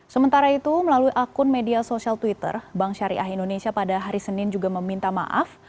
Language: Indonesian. sementara itu melalui akun media sosial twitter bank syariah indonesia pada hari senin juga meminta maaf